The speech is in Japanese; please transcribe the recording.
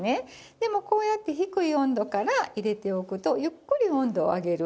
でもこうやって低い温度から入れておくとゆっくり温度を上げる。